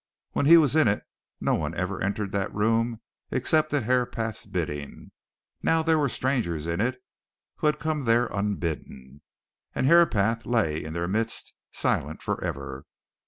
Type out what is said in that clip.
When he was in it no one ever entered that room except at Herapath's bidding; now there were strangers in it who had come there unbidden, and Herapath lay in their midst, silent for ever.